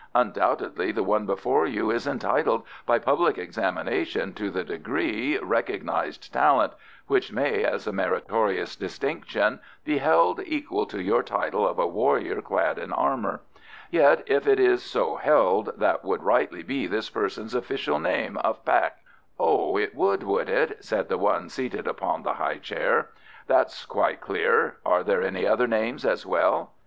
"Undoubtedly the one before you is entitled by public examination to the degree 'Recognised Talent,' which may, as a meritorious distinction, be held equal to your title of a warrior clad in armour. Yet, if it is so held, that would rightly be this person's official name of Paik." "Oh, it would, would it?" said the one seated upon the high chair. "That's quite clear. Are there any other names as well?"